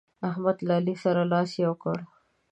احمد له علي سره لاس يو کړ.